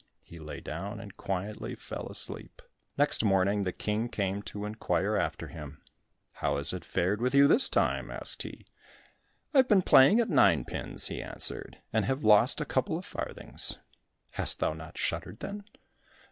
He lay down and quietly fell asleep. Next morning the King came to inquire after him. "How has it fared with you this time?" asked he. "I have been playing at nine pins," he answered, "and have lost a couple of farthings." "Hast thou not shuddered then?"